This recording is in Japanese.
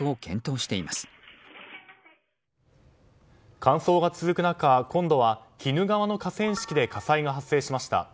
乾燥が続く中今度は鬼怒川の河川敷で火災が発生しました。